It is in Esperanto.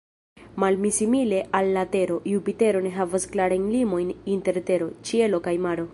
Malsimile al la Tero, Jupitero ne havas klarajn limojn inter tero, ĉielo kaj maro.